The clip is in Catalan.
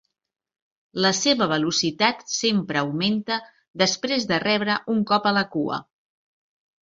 La seva velocitat sempre augmenta després de rebre un cop a la cua.